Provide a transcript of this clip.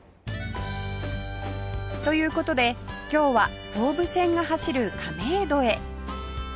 という事で今日は総武線が走る亀戸へ